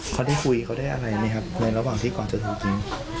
เขาได้คุยเขาได้อะไรมั้ยครับในระหว่างที่กว่าจะถูกยิง